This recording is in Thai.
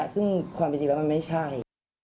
ซึ่งความจริงจริงว่ามันไม่ใช่